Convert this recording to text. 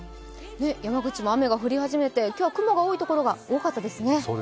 山口も雨が降り始めて今日は雲が多いところが多かったですね。